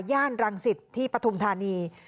ย่านรังสิตที่ปฐุมธานี